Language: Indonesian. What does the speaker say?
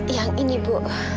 yang ini bu